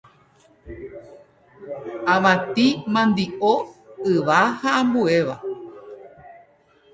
avati, mandi'o, yva ha ambuéva